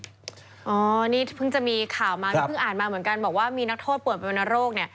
นี่เพิ่งจะมีข่าวมาเพิ่งอ่านมาเหมือนกันบอกว่ามีนักโทษป่วยวันนโรค